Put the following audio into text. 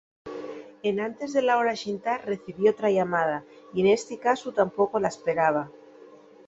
Enantes de la hora xintar, recibí otra llamada, y nesti casu tampoco la esperaba.